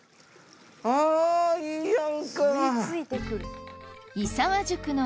あぁいいやんか。